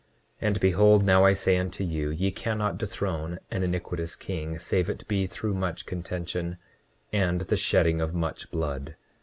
29:21 And behold, now I say unto you, ye cannot dethrone an iniquitous king save it be through much contention, and the shedding of much blood.